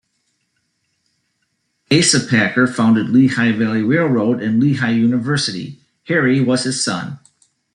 Asa Packer founded Lehigh Valley Railroad and Lehigh University; Harry was his son.